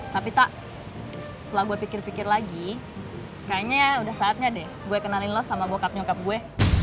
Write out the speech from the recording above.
tapi tak setelah gue pikir pikir lagi kayaknya ya udah saatnya deh gue kenalin los sama bokap nyukap gue